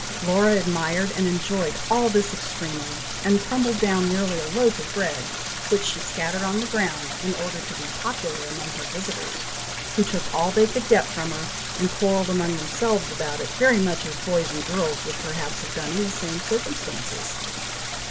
Laura admired and enjoyed all this extremely, and crumbled down nearly a loaf of bread, which she scattered on the ground, in order to be popular among her visitors, who took all they could get from her, and quarrelled among themselves about it, very much as boys and girls would perhaps have done in the same circumstances.